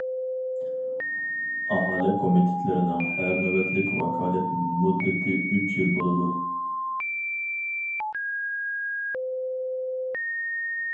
ئاھالە كومىتېتلىرىنىڭ ھەر نۆۋەتلىك ۋاكالەت مۇددىتى ئۈچ يىل بولىدۇ.